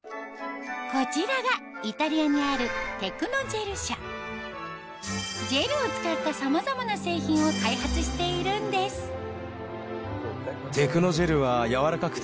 こちらがイタリアにあるジェルを使ったさまざまな製品を開発しているんですその後あ！